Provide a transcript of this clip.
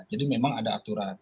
jadi memang ada aturan